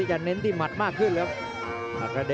ชัมเปียร์ชาเลน์